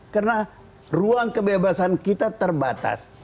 karena ruang kebebasan kita terbatas